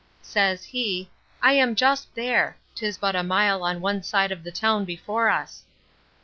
—Says he, I am just there: 'Tis but a mile on one side of the town before us.